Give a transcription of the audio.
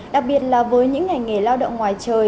đặc biệt là với những ngành nghề lao động ngoài trời